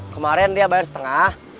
kemarin dia bayar setengah